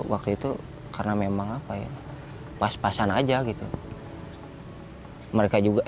waktu itu karena memang apa ya pas pasan aja gitu mereka juga